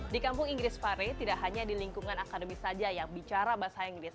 di kampung inggris pare tidak hanya di lingkungan akademis saja yang bicara bahasa inggris